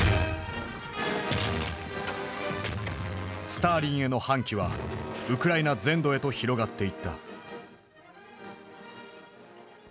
スターリンへの反旗はウクライナ全土へと広がっていった。